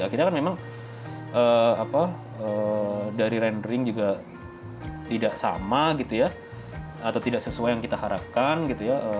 akhirnya kan memang apa dari randering juga tidak sama gitu ya atau tidak sesuai yang kita harapkan gitu ya